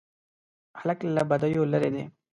هلک له بدیو لیرې دی.